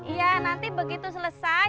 iya nanti begitu selesai